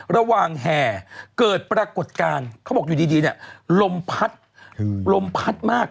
แห่เกิดปรากฏการณ์เขาบอกอยู่ดีเนี่ยลมพัดลมพัดมาก